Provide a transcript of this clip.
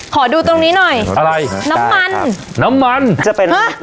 ขอดูตรงนี้หน่อยอะไรน้ำมันน้ำมันจะเป็นน้ำมันหมูครับ